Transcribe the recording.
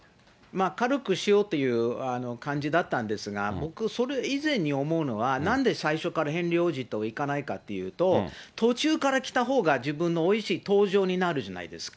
軽くしようという感じだったんですが、僕、それ以前に思うのは、なんで最初からヘンリー王子と行かないかっていうと、途中から来たほうが、自分のおいしい登場になるじゃないですか。